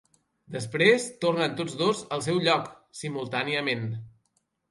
Després tornen tots dos al seu lloc, simultàniament.